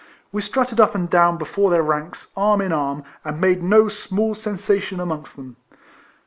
We strutted up and down before their ranks arm in arm, and made no small sensation amongst them.